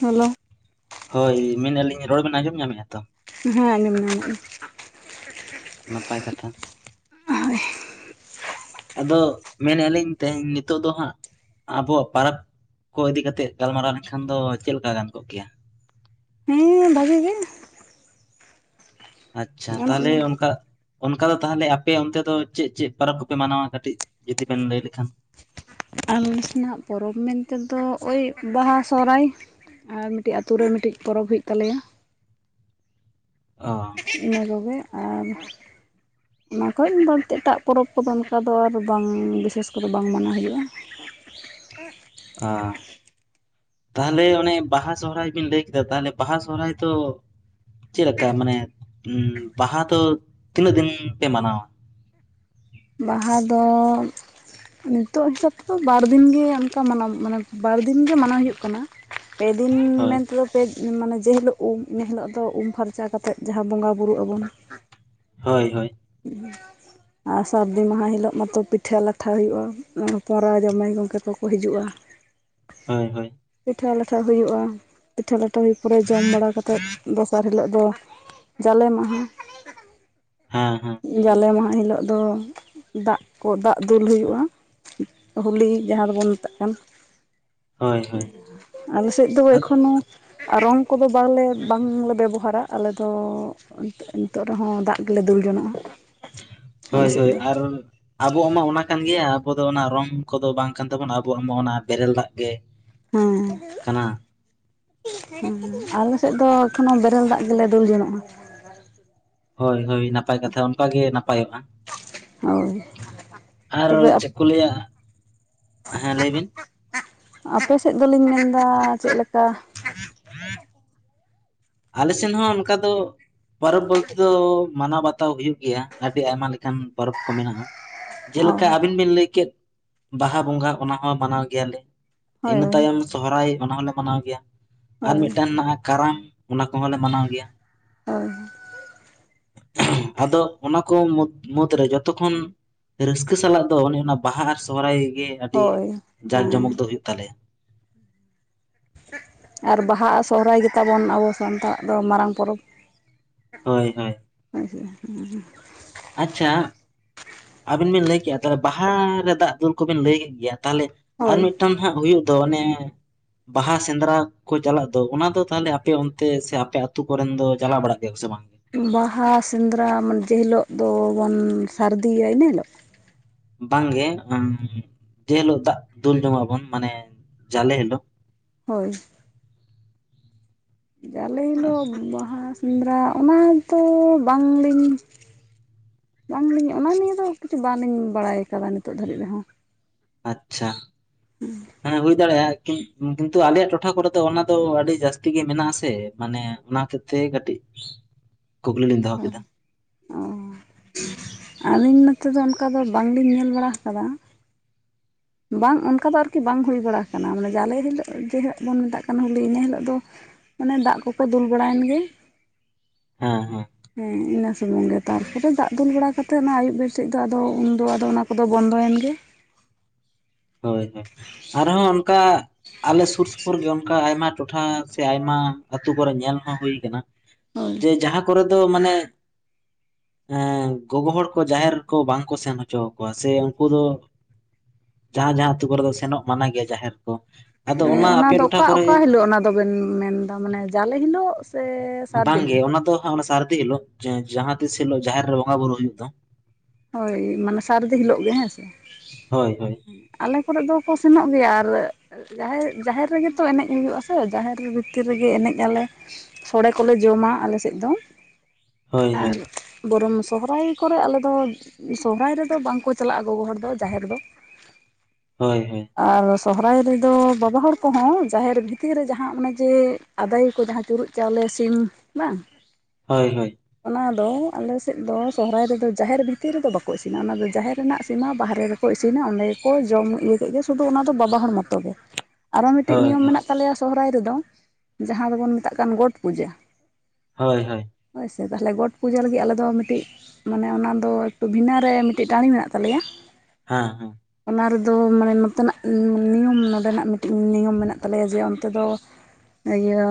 Hello ᱦᱳᱭ ᱢᱮᱱᱮᱜᱼᱟ ᱞᱤᱧ ᱨᱚᱲ ᱵᱤᱱ ᱟᱸᱡᱚᱢ ᱧᱟᱢᱮᱜᱼᱟ ᱛᱚ? ᱦᱮᱸ ᱟᱸᱡᱚᱢ ᱧᱟᱢᱮᱜ ᱢᱮᱜ ᱤᱧ᱾ ᱱᱟᱯᱟᱭ ᱠᱟᱛᱷᱟ᱾ ᱦᱳᱭ ᱟᱫᱚ ᱢᱮᱱᱮᱜᱼᱟ ᱞᱤᱧ ᱛᱮᱦᱮᱧ ᱱᱤᱛᱚᱜ ᱫᱚ ᱦᱟᱸᱜ ᱟᱵᱚᱣᱟᱜ ᱯᱟᱨᱟᱵᱽ ᱠᱚ ᱤᱫᱤ ᱠᱟᱛᱮᱜ ᱜᱟᱞᱢᱟᱨᱟᱣ ᱞᱮᱱᱠᱷᱟᱱ ᱫᱚ ᱪᱮᱜ ᱞᱮᱠᱟ ᱜᱟᱱ ᱠᱚᱜ ᱠᱮᱭᱟ? ᱦᱮᱸ ᱵᱷᱟᱜᱤ ᱜᱮ᱾ ᱟᱪᱪᱷᱟ ᱜᱟᱱᱚᱜ ᱛᱟᱦᱞᱮ ᱜᱮᱭᱟ ᱚᱱᱠᱟ ᱚᱱᱠᱟ ᱫᱚ ᱛᱟᱦᱞᱮ ᱟᱯᱮ ᱚᱱᱛᱮ ᱫᱚ ᱪᱮᱜ ᱪᱮᱜ ᱯᱟᱨᱟᱵᱽ ᱠᱚᱯᱮ ᱢᱟᱱᱟᱣᱟ ᱠᱟᱹᱴᱤᱡ ᱡᱩᱫᱤ ᱵᱮᱱ ᱞᱟᱹᱭ ᱞᱮᱠᱷᱟᱱ? ᱟᱞᱮ ᱥᱮᱱᱟᱜ ᱯᱚᱨᱚᱵᱽ ᱢᱮᱱᱛᱮ ᱫᱚ ᱳᱭ ᱵᱟᱦᱟ, ᱥᱚᱦᱨᱟᱭ᱾ ᱟᱨ ᱢᱤᱫᱴᱤᱡ ᱟᱛᱳ ᱨᱮ ᱢᱤᱫᱴᱮᱱ ᱯᱚᱨᱚᱵᱽ ᱦᱩᱭᱩᱜ ᱛᱟᱞᱮᱭᱟ᱾ ᱚ ᱤᱱᱟᱹ ᱠᱚᱜᱮ ᱟᱨ ᱚᱱᱟ ᱠᱷᱚᱡ ᱵᱟᱲᱛᱤ ᱮᱴᱟᱜ ᱯᱚᱨᱚᱵᱽ ᱠᱚᱫᱚ ᱚᱱᱠᱟ ᱫᱚ ᱟᱨ ᱵᱟᱝ ᱵᱤᱥᱮᱥ ᱠᱚᱨᱮ ᱵᱟᱝ ᱢᱟᱱᱟᱣ ᱦᱩᱭᱩᱜᱼᱟ᱾ [inaudible] ᱟᱸ ᱛᱟᱦᱞᱮ ᱚᱱᱮ ᱵᱟᱦᱟ, ᱥᱚᱦᱨᱟᱭ ᱵᱤᱱ ᱞᱟᱹᱭ ᱠᱮᱫᱟ ᱛᱟᱦᱞᱮ ᱵᱟᱦᱟ, ᱥᱚᱦᱨᱟᱭ ᱫᱚ ᱪᱮᱫ ᱞᱮᱠᱟ ᱢᱟᱱᱮ ᱵᱟᱦᱟ ᱫᱚ ᱛᱤᱱᱟᱹᱜ ᱫᱤᱱ ᱯᱮ ᱢᱟᱱᱟᱣᱟ? ᱵᱟᱦᱟ ᱫᱚ ᱱᱤᱛᱚᱜ ᱦᱤᱥᱟᱹᱵ ᱛᱮᱫᱚ ᱵᱟᱨ ᱫᱤᱱᱜᱮ ᱚᱱᱠᱟ ᱢᱟᱱᱟᱣ ᱢᱟᱱᱮ ᱵᱟᱨ ᱫᱤᱱᱜ ᱜᱮ ᱢᱟᱱᱟᱣ ᱦᱩᱭᱩᱜ ᱠᱟᱱᱟ᱾ ᱯᱮ ᱫᱤᱱ ᱦᱳᱭ ᱢᱮᱱ ᱛᱮᱫᱚ ᱯᱮ ᱢᱟᱱᱮ ᱡᱮ ᱦᱤᱞᱳᱜ ᱩᱢ ᱤᱱᱟᱹ ᱦᱤᱞᱳᱜ ᱫᱚ ᱩᱢ ᱯᱷᱟᱨᱪᱟ ᱠᱟᱛᱮᱫ ᱡᱟᱦᱟᱸ ᱵᱚᱸᱜᱟ ᱵᱩᱨᱩᱜ ᱟᱵᱚᱱ᱾ ᱦᱳᱭ ᱦᱳᱭ [inaudible] ᱟᱨ ᱥᱟᱹᱨᱫᱤ ᱢᱟᱦᱟ ᱦᱤᱞᱚᱜ ᱢᱟᱛᱚ ᱯᱤᱴᱷᱟᱹ ᱞᱟᱴᱷᱟ ᱦᱩᱭᱩᱜᱼᱟ ᱦᱚᱯᱚᱸᱨᱟ ᱡᱟᱢᱟᱭ ᱜᱚᱝᱠᱮ ᱠᱚᱠᱚ ᱦᱤᱡᱩᱜᱼᱟ᱾ [inaudible] ᱦᱳᱭ ᱦᱳᱭ ᱯᱤᱴᱷᱟᱹ ᱞᱟᱴᱷᱟ ᱦᱩᱭᱩᱜᱼᱟ, ᱯᱤᱴᱷᱟᱹ ᱞᱟᱴᱷᱟ ᱦᱩᱭ ᱯᱚᱨᱮ ᱡᱚᱢ ᱵᱟᱲᱟ ᱠᱟᱛᱮᱫ ᱫᱚᱥᱟᱨ ᱦᱤᱞᱳᱜ ᱫᱚ ᱡᱟᱞᱮ ᱢᱟᱦᱟ᱾ ᱦᱮᱸ ᱦᱮᱸ ᱡᱟᱞᱮ ᱢᱟᱦᱟ ᱦᱤᱞᱚᱜ ᱫᱚ ᱫᱟᱜ ᱠᱚ ᱫᱟᱜ ᱫᱩᱞ ᱦᱩᱭᱩᱜᱼᱟ ᱦᱩᱞᱤ ᱡᱟᱦᱟᱸ ᱫᱚᱵᱚᱱ ᱢᱮᱛᱟᱜ ᱠᱟᱱ ᱦᱳᱭ ᱦᱳᱭ ᱟᱞᱮ ᱥᱮᱫ ᱫᱚ ᱮᱠᱷᱚᱱᱳ ᱟᱨ ᱨᱚᱝ ᱠᱚᱫᱚ ᱵᱟᱝᱞᱮ ᱵᱟᱝᱞᱮ ᱵᱮᱵᱚᱦᱟᱨᱟ ᱟᱞᱮ ᱫᱚ ᱱᱤᱛᱚᱜ ᱱᱤᱛᱚᱜ ᱨᱮᱦᱚᱸ ᱫᱟᱜ ᱜᱮᱞᱮ ᱫᱩᱞ ᱡᱚᱱᱚᱜᱼᱟ ᱟᱞᱮ ᱦᱳᱭ ᱥᱮᱫ ᱦᱳᱭ ᱫᱚ ᱟᱨ ᱟᱵᱚᱣᱟᱜ ᱢᱟ ᱚᱱᱟ ᱠᱟᱱ ᱜᱮᱭᱟ ᱟᱵᱚ ᱫᱚ ᱚᱱᱟ ᱨᱚᱝ ᱠᱚᱫᱚ ᱵᱟᱝ ᱠᱟᱱ ᱛᱟᱵᱚᱱ ᱟᱵᱚᱣᱟᱜ ᱢᱟ ᱚᱱᱟ ᱵᱮᱨᱮᱞ ᱫᱟᱜ ᱜᱮ ᱠᱟᱱᱟ ᱦᱩᱸ ᱟᱞᱮ ᱥᱮᱫ ᱫᱚ ᱮᱠᱷᱱᱳ ᱵᱮᱨᱮᱞ ᱫᱟᱜ ᱜᱮᱞᱮ ᱫᱩᱞ ᱡᱚᱱᱚᱜᱼᱟ ᱦᱳᱭ ᱦᱳᱭ ᱱᱟᱯᱟᱭ ᱠᱟᱛᱷᱟ ᱚᱱᱠᱟ ᱜᱮ ᱱᱟᱯᱟᱭᱚᱜᱼᱟ ᱦᱳᱭ ᱟᱨ ᱛᱚᱵᱮ ᱪᱟ ᱠᱚ ᱞᱟᱹᱭᱟ ᱦᱮᱸ ᱞᱟᱹᱭ ᱵᱤᱱ ᱟᱯᱮ ᱥᱮᱫ ᱫᱚᱞᱤᱧ ᱢᱮᱱᱫᱟ ᱪᱮᱫᱞᱮᱠᱟ [inaudible] ᱟᱞᱮ ᱥᱮᱱ ᱦᱚᱸ ᱚᱱᱠᱟ ᱫᱚ ᱯᱚᱨᱚᱵᱽ ᱵᱚᱞᱛᱮ ᱫᱚ ᱢᱟᱱᱟᱣ ᱵᱟᱛᱟᱣ ᱦᱩᱭᱩᱜ ᱜᱮᱭᱟ ᱟᱹᱰᱤ ᱟᱭᱢᱟ ᱞᱮᱠᱟᱱ ᱯᱚᱨᱚᱵᱽ ᱠᱚ ᱢᱮᱱᱟᱜᱼᱟ ᱚ ᱡᱮᱞᱮᱠᱟ ᱟᱵᱤᱱ ᱵᱤᱱ ᱞᱟᱹᱭ ᱠᱮᱫ ᱵᱟᱦᱟ ᱵᱚᱸᱜᱟ ᱚᱱᱟ ᱦᱚᱸ ᱢᱟᱱᱟᱣ ᱜᱮᱭᱟᱞᱮ ᱦᱳᱭ ᱤᱱᱟᱹ ᱛᱟᱭᱚᱢ ᱥᱚᱦᱨᱟᱭ ᱚᱱᱟ ᱦᱚᱸᱞᱮ ᱢᱟᱱᱟᱣ ᱜᱮᱭᱟ ᱟᱨ ᱦᱳᱭ ᱢᱤᱫᱴᱟᱱ ᱱᱟᱜ ᱟ ᱠᱟᱨᱟᱢ ᱚᱱᱟ ᱠᱚᱦᱚᱸᱞᱮ ᱢᱟᱱᱟᱣ ᱜᱮᱭᱟ ᱦᱳᱭ ᱟᱫᱚ ᱚᱱᱟᱠᱚ ᱢᱩᱫᱽᱨᱮ ᱡᱚᱛᱚᱠᱷᱚᱱ ᱨᱟᱹᱥᱠᱟᱹ ᱥᱟᱞᱟᱜ ᱫᱚ ᱚᱱᱮ ᱚᱱᱟ ᱵᱟᱦᱟ ᱟᱨ ᱥᱚᱦᱨᱟᱭ ᱜᱮ ᱟᱹᱰᱤ ᱦᱳᱭ ᱡᱟᱸᱠ ᱦᱮᱸ ᱡᱚᱢᱚᱠ ᱫᱚ ᱦᱩᱭᱩᱜ ᱛᱟᱞᱮᱭᱟ ᱟᱨ ᱵᱟᱦᱟ ᱥᱚᱦᱨᱟᱭ ᱜᱮᱛᱟᱵᱚᱱ ᱟᱵᱚ ᱥᱟᱱᱛᱟᱲ ᱫᱚ ᱢᱟᱨᱟᱝ ᱯᱚᱨᱚᱵᱽ ᱦᱳᱭ ᱦᱳᱭ ᱯᱥ [unintelligible] ᱟᱪᱷᱟ ᱟᱹᱵᱤᱱ ᱵᱤᱱ ᱞᱟᱹᱭ ᱠᱮᱜᱼᱟ ᱛᱟᱦᱚᱞᱮ ᱵᱟᱦᱟᱨᱮ ᱫᱟᱜ ᱫᱩᱞ ᱠᱚᱵᱤᱱ ᱞᱟᱹᱭ ᱮᱫ ᱜᱮᱭᱟ ᱛᱟᱦᱚᱞᱮ ᱟᱨ ᱦᱳᱭ ᱢᱤᱫᱴᱟᱝ ᱦᱟᱸᱜ ᱦᱩᱭᱩᱜ ᱫᱚ ᱚᱱᱮ ᱵᱟᱦᱟ ᱥᱮᱸᱫᱽᱨᱟ ᱠᱚ ᱪᱟᱞᱟᱜ ᱫᱚ ᱚᱱᱟ ᱫᱚ ᱛᱟᱦᱚᱞᱮ ᱟᱯᱮ ᱚᱱᱛᱮ ᱥᱮ ᱟᱯᱮ ᱟᱛᱩ ᱠᱚᱨᱮᱱ ᱫᱚ ᱪᱟᱞᱟᱣ ᱵᱟᱲᱟᱜ ᱜᱮᱭᱟ ᱠᱚ ᱥᱮ ᱵᱟᱝ ᱵᱟᱦᱟ ᱥᱮᱸᱫᱽᱨᱟ ᱢᱟ ᱡᱮ ᱦᱤᱞᱳᱜ ᱫᱚᱵᱚᱱ ᱥᱟᱹᱨᱫᱤᱭᱟ ᱤᱱᱟᱹ ᱦᱤᱞᱳᱜ ᱵᱟᱝᱜᱮ ᱡᱮ ᱦᱤᱞᱳᱜ ᱫᱟᱜ ᱫᱩᱞ ᱡᱚᱝ ᱟᱵᱚᱱ ᱢᱟᱱᱮ ᱡᱟᱞᱮ ᱦᱤᱞᱚᱜ ᱦᱳᱭ ᱡᱟᱞᱮ ᱦᱤᱞᱚᱜ ᱵᱟᱦᱟ ᱥᱮᱸᱫᱽᱨᱟ ᱚᱱᱟ ᱫᱚ ᱵᱟᱝᱞᱤᱧ ᱵᱟᱝᱞᱤᱧ ᱚᱱᱟ ᱱᱤᱭᱤᱭᱟᱹ ᱫᱚ ᱠᱤᱪᱷᱩ ᱵᱟᱞᱤᱧ ᱵᱟᱲᱟᱭ ᱟᱠᱟᱫᱟ ᱱᱤᱛᱚᱜ ᱫᱷᱟᱹᱨᱤᱡ ᱨᱮᱦᱚᱸ ᱟᱪᱷᱟ ᱦᱮᱸ ᱦᱩᱭ ᱫᱟᱲᱮᱭᱟᱜᱼᱟ ᱠᱤᱱᱛᱩ ᱟᱞᱮᱭᱟᱜ ᱴᱚᱴᱷᱟ ᱠᱚᱨᱮ ᱫᱚ ᱚᱱᱟ ᱫᱚ ᱟᱹᱰᱤ ᱡᱟᱹᱥᱛᱤ ᱜᱮ ᱢᱮᱱᱟᱜ ᱟᱥᱮ ᱢᱟᱱᱮ ᱚᱱᱟ ᱦᱚᱛᱮᱡ ᱛᱮ ᱠᱟᱹᱴᱤᱡ [inaudible] ᱠᱩᱠᱞᱤ ᱞᱤᱧ ᱫᱚᱦᱚ ᱠᱮᱫᱟ ᱚ ᱟᱹᱞᱤᱧ ᱱᱚᱛᱮ ᱫᱚ ᱚᱱᱠᱟ ᱫᱚ ᱵᱟᱝᱞᱤᱧ ᱧᱮᱞ ᱵᱟᱲᱟ ᱦᱟᱠᱟᱫᱟ ᱵᱟᱝ ᱚᱱᱠᱟ ᱫᱚ ᱟᱨᱠᱤ ᱵᱟᱝ ᱦᱩᱭ ᱵᱟᱲᱟ ᱠᱟᱱᱟ ᱢᱟᱱᱮ ᱡᱟᱞᱮ ᱦᱤᱞᱳᱜ ᱡᱮ ᱦᱤᱞᱚᱜ ᱵᱚᱱ ᱢᱮᱛᱟᱜ ᱠᱟᱱᱟ ᱦᱳᱞᱤ ᱤᱱᱟᱹ ᱦᱤᱞᱳᱜ ᱫᱚ ᱚᱱᱮ ᱫᱟᱜ ᱠᱚᱠᱚ ᱫᱩᱞ ᱵᱟᱲᱟᱭᱮᱱ ᱜᱮ [inaudible] ᱦᱮᱸ ᱤᱱᱟᱹ ᱥᱩᱢᱩᱝ ᱜᱮ ᱛᱟᱨᱯᱚᱨᱮ ᱫᱟᱜ ᱫᱩᱞ ᱵᱟᱲᱟ ᱠᱟ ᱠᱟᱛᱮᱫ ᱚᱱᱟ ᱟᱹᱭᱩᱵ ᱵᱮᱨ ᱥᱮᱫ ᱫᱚ ᱟᱫᱚ ᱩᱱᱫᱚ ᱟᱫᱚ ᱚᱱᱟ ᱠᱚᱫᱚ ᱵᱚᱱᱫᱚᱭᱮᱱ ᱜᱮ ᱦᱳᱭ ᱦᱳᱭ ᱟᱨᱦᱚᱸ ᱚᱱᱠᱟ ᱟᱞᱮ ᱥᱩᱨ ᱥᱩᱯᱩᱨ ᱜᱮ ᱚᱱᱠᱟ ᱟᱭᱢᱟ ᱴᱚᱴᱷᱟ ᱥᱮ ᱟᱭᱢᱟ ᱟᱹᱛᱩ ᱠᱚᱨᱮ ᱧᱮᱞ ᱦᱚᱸ ᱦᱩᱭ ᱠᱟᱱᱟ ᱦᱳᱭ ᱡᱮ ᱡᱟᱦᱟᱸ ᱠᱚᱨᱮ ᱫᱚ ᱢᱟᱱᱮ ᱮᱸ ᱜᱚᱜᱚ ᱦᱚᱲ ᱠᱚ ᱡᱟᱦᱮᱨᱮ ᱠᱚ ᱵᱟᱝ ᱠᱚ ᱥᱮᱱ ᱦᱚᱪᱚ ᱟᱠᱚᱣᱟ ᱥᱮ ᱩᱱᱠᱩ ᱫᱚ ᱡᱟᱦᱟᱸ ᱡᱟᱦᱟᱸᱟᱹᱛᱩ ᱠᱚᱨᱮ ᱫᱚ ᱥᱮᱱᱚᱜ ᱢᱟᱱᱟ ᱜᱮᱭᱟ ᱡᱟᱦᱮᱨ ᱠᱚ ᱟᱫᱚ ᱚᱱᱟ ᱟᱯᱮ ᱫᱚ ᱴᱚᱴᱷᱟ ᱚᱠᱟ ᱠᱚᱨᱮ ᱚᱠᱟ ᱦᱤᱞᱳᱜ ᱚᱱᱟ ᱫᱚᱵᱮᱱ ᱢᱮᱱ ᱫᱟ ᱢᱟᱱᱮ ᱡᱟᱞᱮ ᱦᱤᱞᱳᱜ ᱥᱮ ᱥᱟᱹᱨᱫᱤ ᱵᱟᱝᱜᱮ ᱦᱤᱞᱳᱜ ᱚᱱᱟ ᱫᱚᱜ ᱚᱱᱟ ᱥᱟᱨᱫᱤ ᱦᱤᱞᱳᱜ ᱡᱟᱦᱟᱸ ᱛᱤᱥ ᱦᱤᱞᱳ ᱡᱟᱦᱮᱨ ᱨᱮ ᱵᱚᱸᱜᱟ ᱵᱩᱨᱩᱳ ᱦᱩᱭᱩᱜ ᱫᱚ ᱦᱳᱭ ᱢᱟᱱᱮ ᱥᱟᱨᱮᱫᱤ ᱦᱤᱞᱳᱜ ᱜᱮ ᱦᱮᱸ ᱥᱮ ᱦᱳᱭ ᱦᱳᱭ ᱟᱞᱮ ᱠᱚᱨᱮ ᱫᱚᱠᱚ ᱥᱮᱱᱚᱜ ᱜᱮᱭᱟ ᱟᱨ ᱡᱟᱦᱮᱨ ᱡᱟᱦᱮᱨ ᱨᱮᱜᱮ ᱛᱚ ᱮᱱᱮᱡ ᱦᱩᱭᱩᱜᱼᱟᱥᱮ ᱡᱟᱦᱮᱨ ᱵᱷᱤᱛᱤᱨ ᱨᱮᱜᱮ ᱮᱱᱮᱡ ᱟᱞᱮ ᱥᱚᱲᱮ ᱠᱚᱞᱮ ᱡᱚᱢᱟ ᱟᱞᱮ ᱥᱮᱫ ᱫᱚ ᱦᱳᱭ ᱦᱳᱭ ᱟᱨ ᱵᱚᱨᱚᱝ ᱥᱚᱦᱨᱟᱭ ᱠᱚᱨᱮ ᱟᱞᱮ ᱫᱚ, ᱥᱚᱦᱨᱟᱭ ᱨᱮᱫᱚ ᱵᱟᱝᱠᱚ ᱪᱟᱞᱟᱜᱼᱟ ᱜᱚᱜᱚ ᱦᱚᱲ ᱫᱚ ᱡᱟᱦᱮᱨ ᱫᱚ᱾ ᱦᱳᱭ ᱦᱳᱭ ᱟᱨ ᱥᱚᱦᱚᱨᱟᱭ ᱨᱮᱫᱚ ᱵᱟᱵᱟ ᱦᱚᱲ ᱠᱚᱦᱚᱸ ᱡᱟᱦᱮᱨ ᱵᱷᱤᱛᱤᱨ ᱨᱮ ᱡᱟᱦᱟᱸ ᱚᱱᱮ ᱡᱮ ᱟᱫᱟᱭ ᱠᱚ ᱡᱟᱦᱟᱸ ᱪᱩᱨᱩᱩᱜ ᱪᱟᱣᱞᱮ ᱥᱤᱢ ᱵᱟᱝ? ᱦᱳᱭ ᱦᱳᱭ ᱚᱱᱟ ᱫᱚ ᱟᱞᱮᱥᱮᱫ ᱫᱚ ᱥᱚᱦᱨᱟᱭ ᱨᱮᱫᱚ ᱡᱟᱦᱮᱨ ᱵᱷᱤ ᱛᱤᱨ ᱨᱮᱫᱚ ᱵᱟᱠᱚ ᱤᱥᱤᱱᱟ ᱚᱱᱟ ᱫᱚ ᱡᱟᱦᱮᱨ ᱨᱮᱱᱟᱜ ᱤᱥᱤᱱᱟ ᱵᱟᱨᱦᱨᱮ ᱨᱮᱠᱚ ᱤᱥᱤᱱᱟ, ᱚᱸᱰᱮ ᱜᱮᱠᱚ ᱡᱚᱢ ᱤᱭᱟᱹ ᱠᱮᱫ ᱜᱮ ᱥᱩᱫᱩ ᱚᱱᱟ ᱫᱚ ᱵᱟᱵᱟ ᱦᱚᱲ ᱢᱚᱛᱚ ᱜᱮ᱾ ᱟᱨᱚ ᱢᱤᱫᱴᱮᱱ ᱦᱳᱭ ᱱᱤᱭᱚᱢ ᱦᱳᱭ ᱢᱮᱱᱟᱜ ᱛᱟᱞᱮᱭᱟ ᱥᱚᱦᱟᱭ ᱨᱮᱫᱚ ᱡᱟᱦᱟᱸ ᱫᱚᱵᱚᱱ ᱢᱮᱛᱟᱜ ᱠᱟᱱ ᱜᱚᱴ ᱯᱩᱡᱟᱹ᱾ ᱦᱳᱭ ᱦᱳᱭ ᱦᱳᱭᱥᱮ ᱛᱟᱦᱚᱞᱮ ᱜᱚᱴ ᱯᱩᱡᱟᱹ ᱞᱟᱹᱜᱤᱫ ᱟᱞᱮᱫᱚ ᱢᱤᱫᱴᱤᱡ ᱢᱟᱱᱮ ᱚᱱᱟᱫᱚ ᱵᱷᱤᱱᱟ ᱨᱮ ᱢᱤᱫᱴᱤᱡ ᱴᱟᱨᱱᱤᱝ ᱢᱮᱱᱟᱜ ᱛᱟᱞᱮᱭᱟ᱾ ᱦᱮᱸ ᱦᱮᱸ ᱚᱱᱟ ᱨᱮᱫᱚ ᱢᱟᱱᱮ ᱱᱚᱛᱮᱱᱟᱜ ᱱᱤᱭᱚᱢ ᱱᱚᱰᱮᱱᱟᱜ ᱢᱤᱫᱴᱤᱡ ᱱᱤᱭᱚᱢ ᱢᱮᱱᱟᱜ ᱛᱟᱞᱮᱭᱟ ᱡᱮ ᱚᱱᱛᱮ ᱫᱚ, ᱤᱭᱟᱹ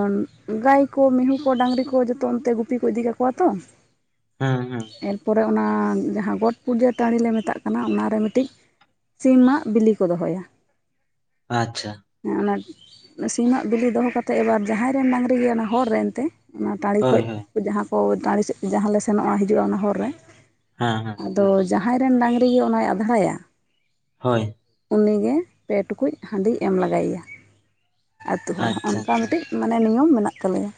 ᱜᱟᱹᱭ ᱠᱚ ᱢᱤᱦᱩ ᱠᱚ ᱰᱟᱹᱟᱝᱨᱤ ᱠᱚ ᱡᱚᱛᱚ ᱚᱱᱛᱮ ᱜᱩᱯᱤ ᱠᱚ ᱤᱫᱤ ᱠᱟᱠᱚᱣᱟ ᱛᱚ, [inaudible] ᱦᱮᱸ ᱦᱮᱸ ᱯᱚᱨᱮ ᱚᱱᱟ ᱡᱟᱦᱟᱸ ᱜᱚᱴ ᱯᱩᱡᱟᱹ ᱴᱟᱹᱱᱰᱤᱞᱮ ᱢᱮᱛᱟᱜ ᱠᱟᱱᱟ ᱚᱱᱟᱨᱮ ᱢᱤᱫᱴᱤᱡ, ᱥᱤᱢᱟᱜ ᱵᱤᱞᱤ ᱠᱚ ᱫᱚᱦᱚᱭᱟ᱾ ᱟᱪᱪᱷᱟ ᱦᱮᱸ ᱚᱱᱟ ᱥᱤᱢᱚᱜ ᱵᱤᱞᱤ ᱫᱚᱦᱚ ᱠᱟᱛᱮᱫ ᱮᱵᱟᱨ ᱡᱟᱦᱟᱸᱭ ᱨᱮᱱ ᱰᱟᱝᱨᱤ ᱜᱮ ᱚᱱᱟ ᱦᱚᱲ ᱨᱮᱱ ᱮᱱᱛᱮ, ᱚᱱᱟ ᱴᱟᱹᱲᱤ ᱦᱳᱭ ᱠᱷᱚᱡ ᱦᱳᱭ ᱡᱟᱦᱟᱸ ᱠᱚ ᱴᱟᱹᱲ ᱥᱮᱫ ᱡᱟᱦᱟᱸ ᱞᱮ ᱥᱮᱱᱚᱜᱼᱟ ᱦᱤᱡᱩᱜᱼᱟ ᱚᱱᱟ ᱦᱚᱨ ᱨᱮ, ᱦᱮᱸ ᱦᱮᱸ ᱟᱫᱚ ᱡᱟᱦᱟᱸᱭ ᱨᱮᱱ ᱰᱟᱝᱨᱤ ᱜᱮ ᱚᱱᱟᱭ ᱟᱫᱷᱲᱟᱭᱟ᱾ ᱦᱳᱭ ᱩᱱᱤᱜᱮ ᱯᱮ ᱴᱩᱠᱩᱡ ᱦᱟᱱᱰᱤ ᱮᱢ ᱞᱟᱜᱟᱭᱮᱭᱟ ᱟᱛᱳ ᱦᱚᱲ, ᱟᱪᱪᱷᱟ ᱚᱱᱠᱟ ᱟᱪᱪᱷᱟ ᱢᱤᱫᱴᱤᱡ ᱢᱟᱱᱮ ᱱᱤᱭᱚᱢ ᱢᱮᱱᱟᱜ ᱛᱟᱞᱮᱭᱟ᱾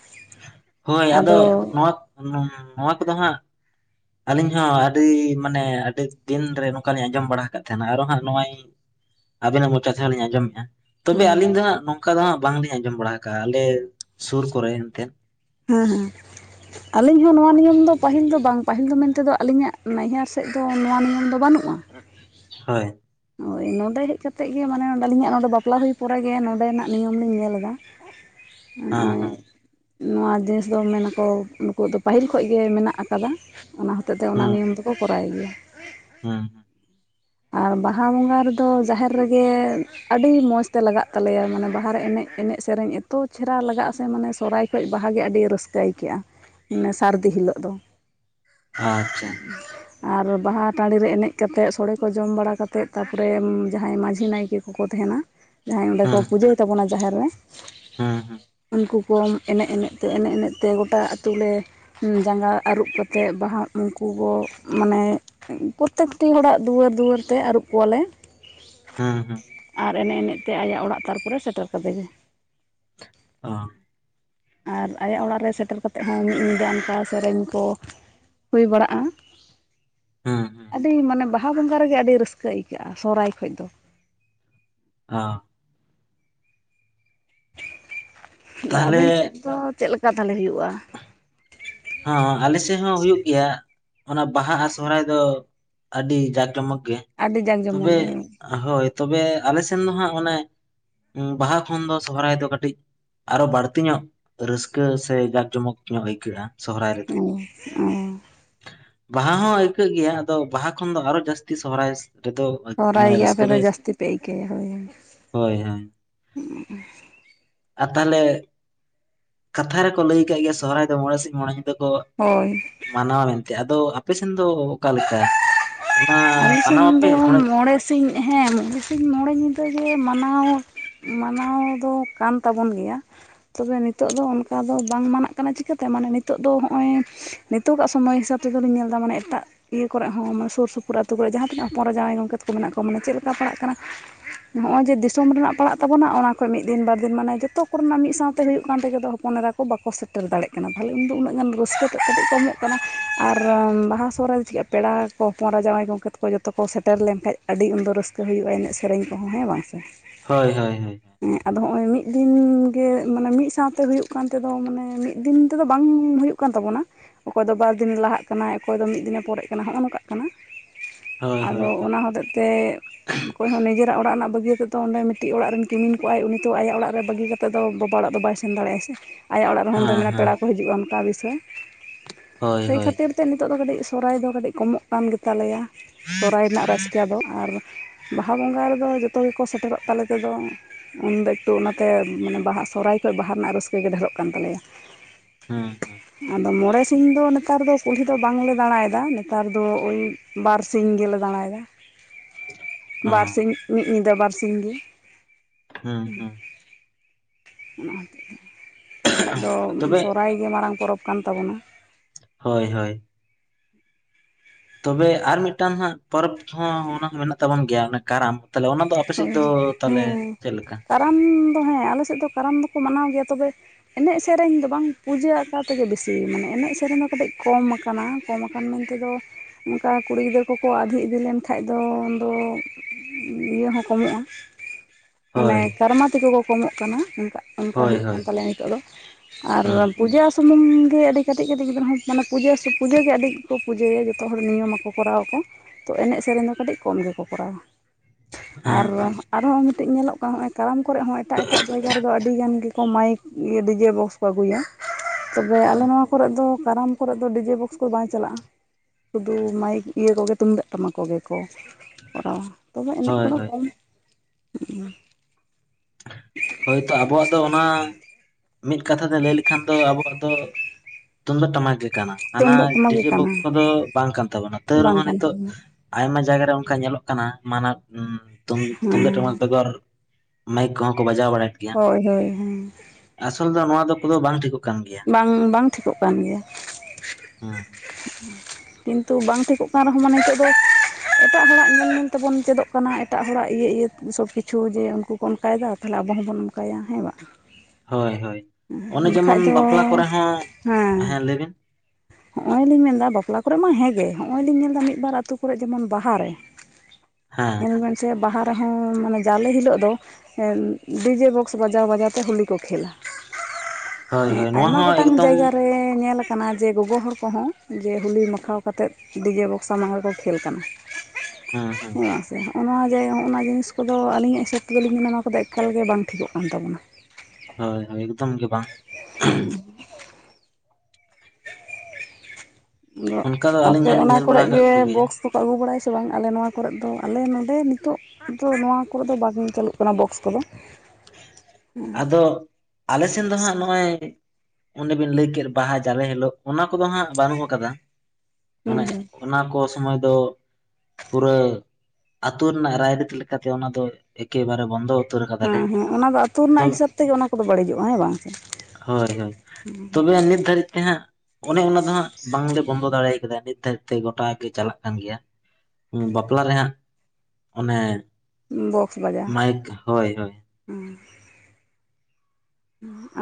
ᱦᱳᱭ ᱟᱫᱚ ᱱᱚᱣᱟ ᱱᱚᱣᱟ ᱠᱚᱫᱚ ᱦᱟᱸᱜ ᱟᱹᱞᱤᱧ ᱦᱚᱸ ᱟᱹᱰᱤ ᱢᱟᱱᱮ ᱟᱹᱰᱤ ᱫᱤᱱᱨᱮ ᱱᱚᱝᱠᱟᱞᱤᱧ ᱟᱸᱡᱚᱢ ᱵᱟᱲᱟ ᱟᱠᱟᱫ ᱛᱟᱦᱮᱱᱟ ᱟᱨᱚ ᱦᱟᱸᱜ ᱱᱚᱜᱼᱚᱭ ᱟᱹᱵᱤᱱᱟᱜ ᱢᱚᱪᱟ ᱪᱷᱟ ᱞᱤᱧ ᱟᱱᱡᱚᱢᱮᱫᱼᱟ, ᱛᱚᱵᱮ ᱦᱩᱸ ᱟᱹᱞᱤᱧ ᱫᱚ ᱦᱟᱸᱜ ᱱᱚᱝᱠᱟ ᱫᱚ ᱦᱟᱸᱜ ᱵᱟᱝᱞᱤᱧ ᱟᱸᱡᱚᱢ ᱵᱟᱲᱟ ᱟᱠᱟᱜᱼᱟ ᱟᱞᱮ ᱥᱩᱨ ᱠᱚᱨᱮ ᱮᱱᱛᱮᱫ᱾ ᱦᱮᱸ ᱦᱮᱸ ᱟᱞᱤᱧ ᱦᱚᱸ ᱱᱚᱣᱟ ᱱᱤᱭᱚᱢ ᱫᱚ ᱯᱟᱹᱦᱤᱞ ᱫᱚ ᱵᱟᱝ ᱯᱟᱹᱦᱤᱞ ᱫᱚ ᱢᱮᱱᱛᱮᱫᱚ ᱟᱹᱞᱤᱧᱟᱜ ᱱᱟᱹᱭᱦᱟᱨ ᱥᱮᱫ ᱫᱚ ᱱᱚᱣᱟ ᱱᱤᱭᱚᱢ ᱫᱚ ᱵᱟᱹᱱᱩᱜᱼᱟ᱾ ᱦᱳᱭ ᱦᱳᱭ ᱱᱚᱸᱰᱮ ᱦᱮᱡ ᱠᱟᱛᱮᱡ ᱜᱮ ᱢᱟᱱᱮ ᱟᱹᱞᱤᱧᱟᱜ ᱱᱚᱰᱮ ᱵᱟᱯᱞᱟ ᱦᱩᱭ ᱯᱚᱨᱮᱜᱮ ᱱᱚᱸᱰᱮᱱᱟᱜ ᱱᱤᱭᱚᱢ ᱞᱤᱧ ᱧᱮᱞ ᱮᱫᱟ, ᱦᱮᱸ ᱱᱚᱜᱼᱚᱸᱭ ᱦᱮᱸ ᱱᱚᱣᱟ ᱡᱤᱱᱤᱥ ᱫᱚ ᱢᱮᱱᱟᱠᱚ ᱱᱩᱠᱩ ᱫᱚ ᱯᱟᱹᱦᱤᱞ ᱠᱷᱚᱡ ᱜᱮ ᱢᱮᱱᱟᱜ ᱟᱠᱟᱫᱟ ᱚᱱᱟ, ᱦᱚᱛᱮᱜ ᱛᱮ ᱚᱱᱟ ᱱᱤᱭᱚᱢ ᱫᱚ ᱠᱚ ᱠᱚᱨᱟᱭ ᱜᱮᱭᱟ᱾ ᱦᱮᱸ ᱦᱮᱸ ᱟᱨ ᱵᱟᱦᱟ ᱵᱚᱸᱜᱟ ᱨᱮᱫᱚ ᱡᱟᱦᱮᱨ ᱨᱮᱜᱮ ᱟᱹᱰᱤ ᱢᱚᱡᱽ ᱛᱮ ᱞᱟᱜᱟᱜ ᱛᱟᱞᱮᱭᱟ ᱢᱟᱱᱮ ᱵᱟᱦᱟᱨᱮ ᱮᱱᱮᱡ ᱮᱱᱮᱡ ᱥᱮᱨᱮᱧ ᱮᱛᱚ ᱪᱮᱦᱨᱟ ᱞᱟᱜᱟᱼᱟ ᱥᱮ ᱢᱟᱱᱮ ᱥᱚᱨᱦᱟᱭ ᱠᱷᱚᱡ ᱵᱟᱦᱟ ᱜᱮ ᱟᱹᱰᱤ ᱨᱟᱹᱥᱠᱟᱹ ᱟᱹᱭᱠᱟᱹᱜᱼᱟ, ᱢᱮ ᱥᱟᱹᱨᱫᱤ ᱦᱤᱞᱳᱜ ᱫᱚ᱾ ᱟᱪᱪᱷᱟ ᱟᱨ ᱵᱟᱦᱟ ᱴᱟᱺᱰᱤ ᱨᱮ ᱮᱱᱮᱡ ᱠᱟᱛᱮ ᱥᱚᱲᱮ ᱠᱚ ᱡᱚᱢ ᱵᱟᱲᱟ ᱠᱟᱛᱮᱫ ᱛᱟᱯᱚᱨᱮ ᱡᱟᱦᱟᱸᱭ ᱢᱟᱺᱡᱷᱤ ᱱᱟᱭᱠᱮ ᱠᱚᱠᱚ ᱛᱟᱦᱮᱱᱟ, ᱡᱟᱦᱟᱸᱭ ᱚᱸᱰᱮ ᱠᱚ ᱦᱮᱸ ᱯᱩᱡᱟᱹᱭ ᱛᱟᱵᱚᱱᱟ ᱡᱟᱦᱮᱨ ᱨᱮ᱾ ᱦᱮᱸ ᱦᱮᱸ ᱩᱱᱠᱩ ᱠᱚᱢ ᱮᱱᱮᱡ ᱮᱱᱮᱡ ᱛᱮ ᱮᱱᱮᱡ ᱮᱱᱮᱡ ᱛᱮ ᱜᱚᱴᱟ ᱟᱛᱩ ᱞᱮ, ᱡᱟᱸᱜᱟ ᱟᱹᱨᱩᱵ ᱠᱟᱛᱮᱫ ᱵᱟᱦᱟ ᱩᱱᱠᱩ ᱠᱚ ᱢᱟᱱᱮ ᱯᱚᱨᱛᱮᱠᱴᱤ ᱦᱚᱲᱟᱜ ᱫᱩᱣᱟᱹᱨ ᱫᱩᱣᱟᱹᱨ ᱛᱮ ᱟᱹᱨᱩᱵ ᱠᱚᱣᱟᱞᱮ᱾ ᱦᱮᱸ ᱦᱮᱸ ᱟᱨ ᱮᱱᱮᱡ-ᱮᱱᱮᱡ ᱛᱮ ᱟᱭᱟᱜ ᱚᱲᱟᱜ ᱛᱟᱨᱯᱚᱨᱮ ᱥᱮᱴᱮᱨ ᱠᱟᱫᱮ ᱜᱮ [unintelligible] ᱟᱨ ᱟᱭᱟᱜ ᱚᱲᱟᱜ ᱨᱮ ᱥᱮᱴᱮᱨ ᱠᱟᱛᱮ ᱦᱚᱸ ᱢᱤᱫ ᱧᱤᱫᱟᱹ ᱚᱱᱠᱟ ᱥᱮᱨᱮᱧ ᱠᱚ [inaudible] ᱦᱩᱭ ᱵᱟᱲᱟᱜᱼᱟ ᱦᱮᱸ ᱦᱮᱸ [inaudible] ᱟᱹᱰᱤ ᱢᱟᱱᱮ ᱵᱟᱦᱟ ᱵᱚᱸᱜᱟ ᱨᱮᱜᱮ ᱟᱹᱰᱤ ᱨᱟᱹᱥᱠᱟᱹ ᱟᱹᱭᱠᱟᱹᱜᱼᱟ ᱥᱚᱦᱨᱟᱭ ᱠᱷᱚᱡ ᱫᱚ [unintelligible] [unintelligible] ᱛᱟᱦᱚᱞᱮ ᱟᱵᱮᱱ ᱴᱷᱮᱡ ᱫᱚ ᱪᱮᱫ ᱞᱮᱠᱟ ᱛᱟᱦᱚᱞᱮ ᱦᱩᱭᱩᱜᱼᱟ ᱦᱚᱸ ᱦᱚᱸ ᱟᱞᱮ ᱥᱮᱫ ᱦᱚᱸ ᱦᱩᱭᱩᱜ ᱜᱮᱭᱟ ᱚᱱᱟ ᱵᱟᱦᱟ ᱟᱨ ᱥᱚᱦᱨᱟᱭ ᱫᱚ ᱟᱹᱰᱤ ᱡᱟᱠ ᱡᱚᱢᱚᱠ ᱜᱮ ᱟᱹᱰᱤ ᱡᱟᱠ ᱡᱚᱢᱚᱠ ᱛᱚᱵᱮ ᱜᱮ ᱦᱳᱭ ᱦᱳᱭ ᱛᱚᱵᱮ ᱟᱞᱮ ᱥᱮᱱ ᱫᱚ ᱦᱟᱸᱜ ᱚᱱᱮ ᱵᱟᱦᱟ ᱠᱷᱚᱱ ᱫᱚ ᱥᱚᱦᱨᱟᱭ ᱫᱚ ᱠᱟᱹᱴᱤᱡ ᱟᱨᱚ ᱵᱟᱹᱲᱛᱤ ᱧᱚᱜ ᱨᱟᱹᱥᱠᱟᱹ ᱥᱮ ᱡᱟᱠ ᱡᱚᱢᱚᱠ ᱧᱚᱜ ᱟᱹᱭᱠᱟᱹᱜᱼᱟ ᱥᱚᱦᱨᱟᱭ ᱨᱮᱫᱚ [inaudible] ᱚ ᱚ ᱵᱟᱦᱟ ᱦᱚᱸ ᱟᱹᱭᱠᱟᱹᱜ ᱜᱮᱭᱟ ᱟᱫᱚ ᱵᱟᱦᱟ ᱠᱷᱚᱱ ᱫᱚ ᱟᱨᱚ ᱡᱟᱹᱥᱛᱤ ᱥᱚᱦᱨᱟᱭ [unintelligible] [inaudible] ᱥᱚᱦᱨᱟᱭ ᱢᱟᱱᱮ ᱜᱮ ᱟᱯᱮ ᱨᱟᱹᱥᱠᱟᱹ ᱫᱚ ᱞᱮ ᱡᱟᱹᱥᱛᱤ ᱯᱮ ᱟᱹᱭᱠᱟᱹᱭᱟ ᱦᱳᱭ ᱦᱳᱭ [inaudible] ᱦᱳᱭ ᱦᱳᱭ [unintelligible] [inaudible] ᱟᱨ ᱛᱟᱦᱚᱞᱮ ᱠᱟᱛᱷᱟ ᱨᱮᱠᱚ ᱞᱟᱹᱭ ᱠᱟᱜ ᱜᱮᱭᱟ ᱥᱚᱦᱨᱟᱭ ᱫᱚ ᱢᱚᱬᱮ ᱥᱤᱧ ᱢᱚᱬᱮ ᱧᱤᱫᱟᱹ ᱠᱚ ᱦᱳᱭ ᱢᱟᱱᱟᱣᱟ ᱢᱮᱱᱛᱮ ᱟᱫᱚ ᱟᱯᱮ ᱥᱮᱱ ᱫᱚ ᱚᱠᱟ ᱞᱮᱠᱟ ᱚᱱᱟ ᱟᱞᱮ ᱥᱮᱱ ᱢᱟᱱᱟᱣ ᱫᱚ ᱟᱯᱮ ᱢᱚᱬᱮ ᱥᱤᱧ ᱦᱮᱸ ᱢᱚᱬᱮ ᱥᱤᱧ ᱢᱚᱬᱮ ᱧᱤᱫᱟᱹ ᱜᱮ ᱢᱟᱱᱟᱣ [inaudible] ᱢᱟᱱᱟᱣ ᱫᱚ ᱠᱟᱱ ᱛᱟᱵᱚᱱ ᱜᱮᱭᱟ ᱛᱚᱵᱮ ᱱᱤᱛᱚᱜ ᱫᱚ ᱚᱱᱠᱟ ᱫᱚ ᱵᱟᱝ ᱢᱟᱱᱟᱜ ᱠᱟᱱᱟ ᱪᱤᱠᱟᱹᱛᱮ ᱢᱟᱱᱮ ᱱᱤᱛᱚᱜ ᱫᱚ ᱦᱚᱜᱼᱚᱸᱭ [inaudible] ᱱᱤᱛᱚᱜᱟᱜ ᱥᱚᱢᱚᱭ ᱦᱤᱥᱟᱹᱵ ᱛᱮᱫᱚᱞᱤᱧ ᱧᱮᱞ ᱫᱟ ᱢᱟᱱᱮ ᱮᱴᱟᱜ ᱤᱭᱟᱹ ᱠᱚᱨᱮ ᱦᱚᱸ ᱢᱟᱱᱮ ᱥᱩᱨ [unintelligible] ᱯᱩᱨᱟᱹ ᱟᱹᱛᱩ ᱠᱚᱨᱮ ᱡᱟᱦᱟᱸ ᱛᱤᱱᱟᱹᱜ ᱦᱚᱯᱚᱱ ᱮᱨᱟ ᱡᱟᱶᱟᱭ ᱜᱚᱝᱠᱮ ᱛᱟᱠᱚ ᱢᱮᱱᱟᱜ ᱠᱚᱣᱟ ᱢᱟᱱᱮ ᱪᱮᱫ ᱞᱮᱠᱟ ᱯᱟᱲᱟᱜ ᱠᱟᱱᱟ [inaudible] [inaudible] ᱦᱚᱜᱼᱚᱸᱭ ᱡᱮ ᱫᱤᱥᱚᱢ ᱨᱮᱱᱟᱜ ᱯᱟᱲᱟᱜ ᱛᱟᱵᱚᱱᱟ ᱚᱱᱟ ᱠᱷᱚᱡ ᱢᱤᱫ ᱫᱤᱱ ᱵᱟᱨ ᱫᱤᱱ ᱢᱟᱱᱮ ᱡᱚᱛᱚ ᱠᱚᱨᱮᱱᱟᱜ ᱢᱤᱫ ᱥᱟᱶᱛᱮ ᱦᱩᱭᱩᱜ ᱠᱟᱱ ᱛᱮᱜᱮ ᱫᱚ ᱦᱚᱯᱚᱱ ᱮᱨᱟ ᱵᱟᱠᱚ ᱥᱮᱴᱮᱨ ᱫᱟᱲᱮᱜ ᱠᱟᱱᱟ ᱛᱟᱦᱚᱞᱮ ᱩᱱᱫᱚ ᱩᱱᱟᱹᱜ ᱜᱟᱱ ᱨᱟᱹᱥᱠᱟᱹ ᱛᱮᱫ ᱠᱟᱹᱴᱤᱡ ᱠᱚᱢᱚᱜ ᱠᱟᱱᱟ ᱟᱨ ᱵᱟᱦᱟ ᱥᱚᱦᱨᱟᱭ ᱫᱚ [unintelligible] ᱯᱮᱲᱟ ᱠᱚ ᱦᱚᱯᱚᱱ ᱮᱨᱟ ᱡᱟᱶᱟᱭ ᱜᱚᱝᱠᱮ ᱛᱟᱠᱚ ᱡᱚᱛᱚ ᱠᱚ ᱥᱮᱴᱮᱨ ᱞᱮᱱᱠᱟᱡ ᱟᱹᱰᱤ ᱩᱱᱫᱚ ᱨᱟᱹᱥᱠᱟᱹ ᱦᱩᱭᱩᱜᱼᱟ ᱮᱱᱮᱡ ᱥᱮᱨᱮᱧ ᱠᱚᱦᱚᱸ ᱦᱮᱸ ᱵᱟᱝ ᱥᱮ ᱦᱳᱭ ᱦᱳᱭ ᱦᱳᱭ [unintelligible] ᱟᱫᱚ ᱦᱚᱜᱼᱚᱸᱭ ᱢᱤᱫ ᱫᱤᱱ ᱜᱮ ᱢᱟᱱᱮ ᱢᱤᱫ ᱥᱟᱶᱛᱮ ᱦᱩᱭᱩᱜ ᱠᱟᱱ ᱛᱮᱫᱚ ᱢᱟᱱᱮ ᱢᱤᱫ ᱫᱤᱱ ᱛᱮᱫᱚ ᱵᱟᱝ ᱦᱩᱭᱩᱜ ᱦᱩᱭᱩᱜ ᱠᱟᱱ ᱛᱟᱵᱚᱱᱟ ᱚᱠᱚᱭ ᱫᱚ ᱵᱟᱨ ᱫᱤᱱᱮ ᱞᱟᱦᱟᱜ ᱠᱟᱱᱟᱭ ᱚᱠᱚᱭ ᱫᱚ ᱢᱤᱫ ᱫᱤᱱᱮ ᱯᱚᱨᱮᱜ ᱠᱟᱱᱟ ᱦᱚᱜᱼᱚᱸᱭ ᱱᱚᱝᱠᱟᱜ ᱠᱟᱱᱟ ᱟᱫᱚ ᱚᱱᱟ ᱦᱚᱛᱮᱡᱛᱮ [inaudible] ᱚᱠᱚᱭᱦᱚᱸ ᱱᱤᱡᱮᱨᱟᱜ ᱚᱲᱟᱜ ᱨᱮᱱᱟᱜ ᱵᱟᱹᱜᱤ ᱠᱟᱛᱮ ᱚᱸᱰᱮ ᱢᱤᱫᱴᱤᱡ ᱚᱲᱟᱜ ᱨᱮᱱ ᱠᱤᱢᱤᱱ ᱠᱚᱜᱼᱟᱭ ᱩᱱᱤ ᱛᱚ ᱟᱭᱟᱜ ᱚᱲᱟᱜ ᱨᱮ ᱵᱟᱹᱜᱤ [unintelligible] ᱱᱤᱛᱮᱜ ᱫᱚ ᱵᱟᱵᱟ ᱚᱲᱟᱜ ᱫᱚ ᱵᱟᱭ ᱥᱮᱱ ᱫᱟᱲᱮᱭᱟᱜᱼᱟᱭ ᱥᱮ ᱟᱭᱟᱜ ᱚᱲᱟᱜ ᱨᱮᱦᱚᱸ ᱩᱱᱫᱚᱭ ᱢᱮᱱᱟ ᱯᱮᱲᱟ ᱠᱚ ᱦᱤᱡᱩᱜᱼᱟ ᱚᱱᱠᱟ ᱵᱤᱥᱚᱭ ᱥᱮᱭ ᱠᱷᱟᱹᱛᱤᱨ ᱛᱮ ᱱᱤᱛᱚᱜ ᱫᱚ ᱠᱟᱹᱴᱤᱡ ᱥᱚᱨᱦᱟᱭ ᱫᱚ ᱠᱟᱹᱴᱤᱡ ᱠᱚᱢᱚᱜ ᱠᱟᱱ ᱜᱮᱛᱟᱞᱮᱭᱟ [inaudible] ᱥᱚᱦᱨᱟᱭ ᱨᱮᱱᱟᱜ ᱨᱟᱹᱥᱠᱟᱹ ᱫᱚ ᱟᱨ ᱵᱟᱦᱟ ᱵᱚᱸᱜᱟ ᱨᱮᱫᱚ ᱡᱚᱛᱚ ᱜᱮᱠᱚ ᱥᱮᱴᱮᱨᱚᱜ ᱛᱟᱞᱮ ᱛᱮᱫᱚ [inaudible] ᱩᱱᱫᱚ ᱮᱠᱴᱩ ᱚᱱᱟ ᱛᱮ ᱢᱟᱱᱮ ᱵᱟᱦᱟ ᱥᱚᱦᱨᱟᱭ ᱠᱷᱚᱡ ᱵᱟᱦᱟ ᱨᱮᱱᱟᱜ ᱨᱟᱹᱥᱠᱟᱹ ᱜᱮ ᱰᱷᱮᱹᱨᱚᱜ ᱠᱟᱱ ᱛᱟᱞᱮᱭᱟ [inaudible] ᱦᱩᱸ, ᱦᱩᱸ, [inaudible] ᱟᱫᱚ [unintelligible] ᱥᱤᱧ ᱫᱚ ᱱᱮᱛᱟᱨ ᱫᱚ ᱠᱩᱞᱦᱤ ᱫᱚ ᱵᱟᱝᱞᱮ ᱫᱟᱬᱟᱭᱮᱫᱟ ᱱᱮᱛᱟᱨ ᱫᱚ ᱳᱭ ᱵᱟᱨ ᱥᱤᱧ ᱜᱮᱞᱮ ᱫᱟᱬᱟᱭᱮᱫᱟ ᱚ, [inaudible] ᱵᱟᱨ ᱥᱤᱧ ᱢᱤᱫ ᱧᱤᱫᱟᱹ ᱵᱟᱨ ᱥᱤᱧ ᱜᱤ [inaudible] ᱦᱩᱸ, ᱦᱩᱸ, [unintelligible] ᱚᱱᱟ ᱦᱚᱛᱮᱡᱛᱮ ᱵᱟᱠᱷᱟᱡ ᱫᱚ ᱛᱚᱵᱮ ᱥᱚᱨᱦᱟᱭ ᱜᱮ ᱢᱟᱨᱟᱝ ᱯᱚᱨᱚᱵᱽ ᱠᱟᱱ ᱛᱟᱵᱚᱱᱟ ᱦᱳᱭ ᱦᱳᱭ ᱛᱚᱵᱮ ᱟᱨ ᱢᱤᱫᱴᱟᱝ ᱦᱟᱸᱜ ᱯᱚᱨᱚᱵᱽ ᱦᱚᱸ ᱚᱱᱟ ᱦᱚᱸ ᱢᱮᱱᱟᱜ ᱛᱟᱵᱚᱱ ᱜᱮᱭᱟ ᱚᱱᱮ ᱠᱟᱨᱟᱢ ᱛᱟᱦᱚᱞᱮ ᱚᱱᱟ ᱫᱚ ᱟᱯᱮ ᱥᱮᱫ ᱦᱳᱭ ᱫᱚ ᱛᱟᱦᱚᱞᱮ ᱦᱮᱸ ᱪᱮᱫ ᱞᱮᱠᱟ ᱠᱟᱨᱟᱢ ᱫᱚ ᱦᱮᱸ ᱟᱞᱮᱥᱮᱫ ᱫᱚ ᱠᱟᱨᱟᱢ ᱫᱚᱠᱚ ᱢᱟᱱᱟᱣ ᱜᱮᱭᱟ ᱛᱚᱵᱮ ᱮᱱᱮᱡ ᱥᱮᱨᱮᱧ ᱫᱚ ᱵᱟᱝ ᱯᱩᱡᱟᱹ ᱟᱸᱠᱟᱣ ᱛᱮᱜᱮ ᱵᱤᱥᱤ ᱢᱟᱱᱮ ᱮᱱᱮᱡ ᱥᱮᱨᱮᱧ ᱫᱚ ᱠᱟᱹᱴᱤᱡ ᱠᱚᱢ ᱟᱠᱟᱱᱟ ᱠᱚᱢ ᱟᱠᱟᱱ ᱢᱮᱱᱛᱮᱫᱚ ᱚᱱᱠᱟ ᱠᱩᱲᱤ ᱜᱤᱫᱽᱨᱟᱹ ᱠᱚᱠᱚ ᱟᱹᱫᱷᱤ ᱤᱫᱤ ᱞᱮᱱᱠᱷᱟᱡ ᱫᱚ ᱩᱱᱫᱚ ᱤᱭᱟᱹ ᱦᱚᱸ ᱠᱚᱢᱚᱜᱼᱟ ᱢᱟᱱᱮ ᱦᱳᱭ, ᱠᱟᱨᱢᱟ ᱛᱮᱠᱚ ᱠᱚ ᱠᱚᱢᱚᱜ ᱠᱟᱱᱟ ᱚᱱᱠᱟ ᱚᱱᱠᱟ ᱦᱳᱭ, ᱦᱩᱭᱩᱜ ᱦᱳᱭ, ᱠᱟᱱ ᱦᱳᱭ, ᱛᱟᱞᱮᱭᱟ ᱱᱤᱛᱚᱜ ᱫᱚ ᱟᱨ ᱦᱩᱸ, ᱯᱩᱡᱟᱹ ᱥᱩᱢᱩᱝ ᱜᱮ ᱟᱹᱰᱤ ᱠᱟᱹᱴᱤᱡ ᱠᱟᱹᱴᱤᱡ ᱜᱤᱫᱽᱨᱟᱹ ᱦᱚᱸ ᱢᱟᱱᱮ ᱯᱩᱡᱟᱹ ᱯᱩᱡᱟᱹᱜᱮ ᱟᱹᱰᱤᱠᱚ ᱯᱩᱡᱟᱹᱭᱟ ᱡᱚᱛᱚ ᱦᱚᱲ ᱱᱤᱭᱚᱢ ᱟᱠᱚ ᱠᱚᱨᱟᱣᱟᱠᱚ ᱛᱚ ᱮᱱᱮᱡ ᱥᱮᱨᱮᱧ ᱫᱚ ᱠᱟᱹᱴᱤᱡ ᱠᱚᱢ ᱜᱮᱠᱚ ᱠᱚᱨᱟᱣᱟ ᱟᱨ ᱦᱮᱸ, ᱦᱮᱸ, ᱟᱨᱦᱚᱸ ᱢᱤᱫᱴᱮᱱ ᱧᱮᱞᱚᱜ ᱠᱟᱱ ᱱᱚᱜᱼᱚᱭ ᱠᱟᱨᱟᱢ ᱠᱚᱨᱮ ᱦᱚᱸ ᱮᱴᱟᱜ ᱮᱴᱟᱜ ᱡᱟᱭᱜᱟ ᱨᱮᱫᱚ ᱟᱹᱰᱤ ᱜᱟᱱ ᱜᱮᱠᱚ ᱢᱟᱭᱤᱠ ᱤᱭᱟᱹ ᱰᱤᱡᱮ ᱵᱚᱠᱥ ᱠᱚ ᱟᱹᱜᱩᱭᱟ ᱛᱚᱵᱮ ᱟᱞᱮ ᱦᱩᱸ, ᱱᱚᱣᱟ ᱠᱚᱨᱮᱫ ᱫᱚ ᱠᱟᱨᱟᱢ ᱠᱚᱨᱮ ᱫᱚ ᱰᱤᱡᱮ ᱵᱚᱠᱥ ᱠᱚ ᱵᱟᱭ ᱪᱟᱞᱟᱜᱼᱟ ᱥᱩᱫᱩ ᱢᱟᱭᱤᱠ ᱤᱭᱟᱹ ᱠᱚᱜᱮ ᱛᱩᱢᱫᱟᱹᱜ ᱴᱟᱢᱟᱠᱜᱮ ᱠᱚ ᱠᱚᱨᱟ ᱛᱚᱵᱮ ᱮᱱᱮᱡ ᱦᱳᱭ, ᱦᱳᱭ, ᱦ ᱦᱳᱭᱛᱳ ᱟᱵᱚᱣᱟᱜ ᱫᱚ ᱚᱱᱟ ᱢᱤᱫ ᱠᱟᱛᱷᱟ ᱛᱮ ᱞᱟᱹᱭ ᱞᱮᱠᱷᱟᱱ ᱫᱚ ᱟᱵᱚᱣᱟᱜ ᱫᱚ ᱛᱩᱢᱫᱟᱜ ᱴᱟᱢᱟᱠ ᱜᱮ ᱠᱟᱱᱟ ᱦᱟᱱᱟ ᱛᱩᱢᱫᱟᱹᱜ ᱴᱟᱢᱟᱠ ᱜᱮ ᱰᱤᱡᱮ ᱠᱟᱱᱟ ᱵᱚᱠᱥ ᱠᱚᱫᱚ ᱵᱟᱝ ᱠᱟᱱ ᱛᱟᱵᱚᱱᱟ ᱵᱟᱝ ᱛᱚᱣᱨᱮᱦᱚᱸ ᱠᱟᱱ ᱱᱤᱛᱚᱜ ᱛᱟᱵᱚᱱᱟ ᱟᱭᱢᱟ ᱡᱟᱭᱜᱟᱨᱮ ᱚᱱᱠᱟ ᱧᱮᱞᱚᱜ ᱠᱟᱱᱟ ᱢᱟᱱᱟ ᱛᱩᱢ ᱛᱩᱢᱫᱟᱜ ᱴᱟᱢᱟᱠ ᱦᱮᱸ ᱵᱮᱜᱚᱨ ᱢᱟᱭᱤᱠ ᱠᱚᱦᱚ ᱠᱚ ᱵᱟᱡᱟᱣ ᱵᱟᱲᱟᱭ ᱦᱳᱭ ᱦᱳᱭ ᱦᱳᱭ ᱟᱥᱚᱞ ᱫᱚ ᱱᱚᱣᱟ ᱫᱚ ᱠᱚᱫᱚ ᱵᱟᱝ ᱴᱷᱤᱠᱚᱜᱼᱟ ᱵᱟᱝ ᱵᱟᱝ ᱴᱷᱤᱠᱚᱜ ᱠᱟᱱ ᱜᱮᱭᱟ ᱦᱮᱸ ᱠᱤᱱᱛᱩ ᱵᱟᱝ ᱴᱷᱤᱠᱚᱜ ᱠᱟᱱ ᱨᱮᱦᱚᱸ ᱢᱟᱱᱮ ᱱᱤᱛᱚᱜ ᱫᱚ ᱮᱴᱟᱜ ᱦᱚᱲᱟᱜ ᱧᱮᱞ ᱧᱮᱞ ᱛᱮᱵᱚᱱ ᱪᱮᱫᱚᱜ ᱠᱟᱱᱟ ᱮᱴᱟᱜ ᱦᱚᱲᱟᱜ ᱤᱭᱟᱹ ᱤᱭᱟᱹ ᱥᱚᱵ ᱠᱤᱪᱷᱩ ᱡᱮ ᱩᱱᱠᱩ ᱠᱚ ᱚᱱᱠᱟᱭᱮᱫᱟ ᱛᱟᱦᱚᱞᱮ ᱟᱵᱚ ᱦᱚᱸᱵᱚᱱ ᱚᱱᱠᱟᱭᱟ ᱦᱮᱸ ᱵᱟᱝ ᱦᱳᱭ ᱦᱳᱭ ᱚᱱᱮ ᱵᱟᱠᱷᱟᱡ ᱡᱮᱢᱚᱱ ᱫᱚ ᱵᱟᱯᱞᱟ ᱠᱚᱨᱮ ᱦᱚᱸ ᱦᱮᱸ ᱦᱚᱜᱼᱚᱭ ᱞᱤᱧ ᱢᱮᱱᱫᱟ ᱵᱟᱯᱞᱟ ᱠᱚᱨᱮ ᱢᱟ ᱦᱮᱸᱜᱮ ᱦᱚᱜᱼᱚᱭ ᱞᱤᱧ ᱧᱮᱞᱫᱟ ᱢᱤᱫ ᱵᱟᱨ ᱟᱹᱛᱩᱳ ᱠᱚᱨᱮ ᱡᱮᱢᱚᱱ ᱵᱟᱦᱟᱨᱮ ᱦᱮᱸ ᱧᱮᱞᱵᱮᱱ ᱥᱮ ᱵᱟᱦᱟ ᱨᱮᱦᱚᱸ ᱢᱟᱱᱮ ᱡᱟᱞᱮ ᱦᱤᱞᱳᱜ ᱫᱚ ᱮᱱ ᱰᱤᱡᱮ ᱵᱚᱠᱥ ᱵᱟᱡᱟᱣ ᱵᱟᱡᱟᱣ ᱛᱮ ᱦᱳᱞᱤ ᱠᱚ ᱠᱷᱮᱞᱟ ᱦᱳᱭ ᱦᱮᱸ ᱦᱳᱭ ᱱᱚᱣᱟ ᱟᱭᱢᱟ ᱦᱚᱸ ᱜᱚᱴᱟᱝ ᱮᱠᱫᱚᱢ ᱡᱟᱭᱜᱟ ᱨᱮ ᱧᱮᱞ ᱟᱠᱟᱱᱟ ᱡᱮ ᱜᱚᱜᱚ ᱦᱚᱲ ᱠᱚᱦᱚᱸ ᱡᱮ ᱦᱩᱞᱤ ᱢᱟᱠᱷᱟᱣ ᱠᱟᱛᱮᱫ ᱰᱤᱡᱮ ᱵᱚᱠᱥᱟᱢᱟᱝ ᱨᱮᱠᱚ ᱠᱷᱮᱞ ᱠᱟᱱᱟ ᱦᱮᱸ ᱦᱮᱸ ᱦᱮᱸ ᱵᱟᱝ ᱥᱮ ᱱᱚᱜᱼᱚ ᱜᱮ ᱱᱚᱜᱼᱚᱱᱚᱣᱟ ᱡᱤᱱᱤᱥ ᱠᱚᱫᱚ ᱟᱹᱞᱤᱧᱟᱜ ᱦᱤᱥᱟᱹᱵ ᱛᱮᱫᱚᱞᱤᱧ ᱢᱮᱱᱟ ᱱᱚᱣᱟ ᱠᱚᱫᱚ ᱮᱠᱟᱞ ᱜᱮ ᱵᱟᱝ ᱴᱷᱤᱠᱚᱜ ᱠᱟᱱ ᱛᱟᱵᱚᱱᱟ ᱦᱳᱭ ᱦᱳᱭ ᱮᱠᱫᱚᱢ ᱜᱮ ᱵᱟᱝ ᱦᱮᱸ ᱟᱫᱚ ᱚᱱᱠᱟ ᱫᱚ ᱟᱹᱞᱤᱧ ᱟᱯᱮ ᱦᱚᱞᱤᱧ ᱚᱱᱟ ᱧᱮᱞ ᱠᱚᱨᱮ ᱵᱟᱲᱟ ᱟᱠᱟᱫ ᱜᱮ ᱠᱚᱜᱮᱭᱟ ᱵᱚᱠᱥ ᱠᱚ ᱟᱹᱜᱩ ᱵᱟᱲᱟᱭᱟ ᱥᱮ ᱵᱟᱝ ᱟᱞᱮ ᱱᱚᱣᱟ ᱠᱚᱨᱮᱫ ᱫᱚ ᱟᱞᱮ ᱱᱚᱰᱮ ᱱᱤᱛᱚᱜ ᱟᱫᱚ ᱱᱚᱣᱟ ᱠᱚᱨᱮ ᱫᱚ ᱵᱟᱝ ᱪᱟᱹᱞᱩᱜ ᱠᱟᱱᱟ ᱵᱚᱠᱥ ᱠᱚᱫᱚ ᱟᱫᱚ ᱟᱞᱮ ᱥᱮᱱ ᱫᱚ ᱦᱟᱸᱜ ᱱᱚᱜᱼᱚᱭ ᱚᱱᱮ ᱵᱤᱱ ᱞᱟᱹᱭ ᱠᱮᱫ ᱵᱟᱦᱟ ᱡᱟᱞᱮ ᱦᱤᱞᱳᱜ ᱚᱱᱟ ᱠᱚᱫᱚ ᱦᱟᱸᱜ ᱵᱟᱹᱱᱩᱜ ᱠᱟᱫᱟ ᱦᱮᱸ ᱢᱟᱱᱮ ᱦᱮᱸ ᱚᱱᱟ ᱠᱚ ᱥᱚᱢᱚᱭ ᱫᱚ ᱯᱩᱨᱟᱹ ᱟᱛᱳ ᱨᱮᱱᱟᱜ ᱨᱟᱡᱽᱱᱤᱛ ᱞᱮᱠᱟᱛᱮ ᱚᱱᱟ ᱫᱚ ᱮᱠᱮᱵᱟᱨᱮ ᱵᱚᱱᱫᱚ ᱩᱛᱟᱹᱨ ᱠᱟᱫᱟᱞᱮ ᱦᱮᱸ ᱦᱮᱸ ᱚᱱᱟ ᱫᱚ ᱟᱹᱛᱩ ᱛᱚ ᱨᱮᱱᱟᱜ ᱦᱤᱥᱟᱹᱵ ᱛᱮᱜᱮ ᱚᱱᱟ ᱠᱚᱫᱚ ᱵᱟᱹᱲᱤᱡᱚᱜᱼᱟ ᱦᱮᱸ ᱵᱟᱝ ᱥᱮ ᱦᱮᱸ ᱱᱤᱫ ᱫᱷᱟᱨᱤᱛ ᱛᱮ ᱦᱮᱸ ᱚᱱᱮ ᱚᱱᱟ ᱫᱚ ᱦᱟᱸᱜ ᱵᱟᱝᱞᱮ ᱵᱚᱱᱫᱚ ᱫᱟᱲᱮ ᱠᱟᱫᱟ ᱱᱤᱛ ᱫᱷᱟᱹᱨᱤᱡᱛᱮ ᱜᱚᱴᱟ ᱜᱮ ᱪᱟᱞᱟᱜ ᱠᱟᱱ ᱜᱮᱭᱟ ᱵᱟᱯᱞᱟ ᱨᱮ ᱦᱟᱸᱜ ᱚᱱᱮ ᱢᱟᱭᱤᱠ ᱦᱳᱭ ᱦᱳᱭ ᱦᱮᱸ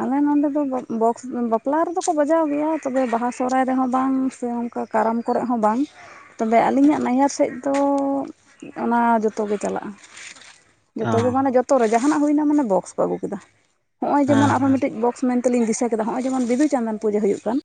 ᱟᱞᱮ ᱱᱚᱸᱰᱮ ᱫᱚ ᱵᱚᱠᱥ ᱵᱟᱯᱞᱟ ᱨᱮᱫᱚ ᱠᱚ ᱵᱟᱡᱟᱣ ᱜᱮᱭᱟ ᱛᱚᱵᱮ ᱵᱟᱦᱟ ᱥᱚᱦᱨᱟᱭ ᱨᱮᱦᱚᱸ ᱵᱟᱝ ᱥᱮ ᱚᱱᱠᱟ ᱠᱟᱨᱟᱢ ᱠᱚᱨᱮ ᱦᱚᱸ ᱵᱟᱝ ᱛᱚᱵᱮ ᱟᱹᱞᱤᱧᱟᱜ ᱱᱟᱭᱦᱟᱨ ᱥᱮᱫ ᱫᱚ ᱚᱱᱟ ᱡᱚᱛᱚᱜᱮ ᱪᱟᱞᱟᱜᱼᱟ ᱚ ᱡᱚᱛᱚᱚᱜ ᱜᱮ ᱢᱟᱱᱮ ᱡᱚᱛᱚᱨ ᱨᱮ ᱡᱟᱦᱟᱱᱟᱜ ᱦᱩᱭᱱᱟ ᱢᱟᱱᱮ ᱵᱚᱠᱥ ᱠᱚ ᱟᱹᱜᱩ ᱠᱮᱫᱟ ᱱᱚᱜᱼᱚᱭ ᱦᱮᱸ ᱡᱮᱢᱚᱱ ᱟᱨᱦᱚᱸ ᱦᱮᱸ ᱢᱤᱫᱴᱤᱡ ᱵᱚᱠᱥ ᱢᱮᱱᱛᱮᱞᱤᱧ ᱫᱤᱥᱟᱹ ᱠᱮᱫᱟ ᱱᱚᱜᱼᱚᱭ ᱡᱮᱢᱚᱱ ᱵᱤᱫᱩ ᱪᱟᱸᱫᱟᱱ ᱯᱩᱡᱟᱹ ᱦᱩᱭᱩᱜ ᱠᱟᱱ